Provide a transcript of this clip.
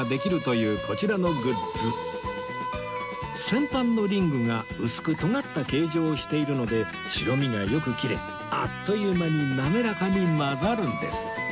先端のリングが薄くとがった形状をしているので白身がよく切れあっという間になめらかに混ざるんです